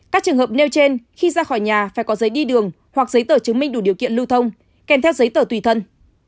các trường hợp nêu trên khi ra khỏi nhà phải có giấy đi đường hoặc giấy tờ chứng minh đủ điều kiện lưu thông kèm theo giấy tờ tùy thân